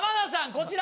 こちら！